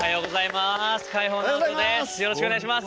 よろしくお願いします！